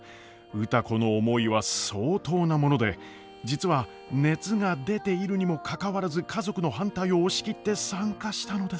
歌子の思いは相当なもので実は熱が出ているにもかかわらず家族の反対を押し切って参加したのです。